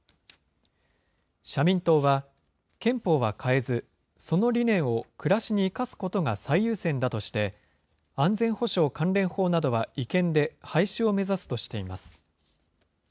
社民党は、憲法は変えず、その理念を暮らしに生かすことが最優先だとして、安全保障関連法などは違憲で廃止を目指すとしています。